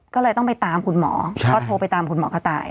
ก็เลยต้องไปตามคุณหมอก็โทรไปตามคุณหมอกระต่าย